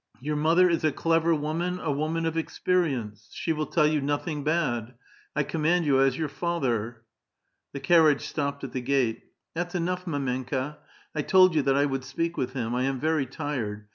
Your mother is a clever woman, a woman of experience. She will tell you nothing bad. I command you as your father." The caiTiage stopped at the gate. " That's enough, mdrmnka. I told you that I would speak with him. I am very tired.